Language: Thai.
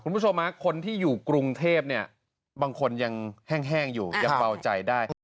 คุณผู้ชมคนที่อยู่กรุงเทพเนี่ยบางคนยังแห้งอยู่ยังเบาใจได้